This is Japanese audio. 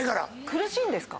苦しいんですか？